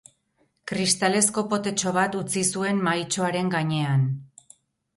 Kristalezko potetxo bat utzi zuen mahaitxoaren gainean.